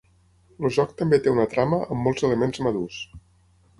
El joc també té una trama amb molts elements madurs.